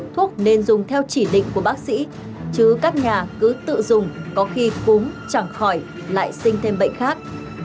thuốc nên dùng theo chỉ định của bác sĩ chứ các nhà cứ tự dùng có khi cúm chẳng khỏi lại sinh thêm bệnh khác